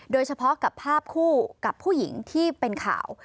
โดยเฉพาะกับภาพคู่กับผู้หญิงที่เป็นข่าว